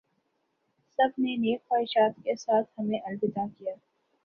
سب نے نیک خواہشات کے ساتھ ہمیں الوداع کیا